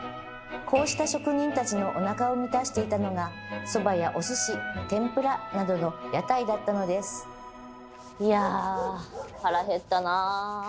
こうした職人たちのおなかを満たしていたのがそばやお寿司天ぷらなどの屋台だったのですいや腹減ったな。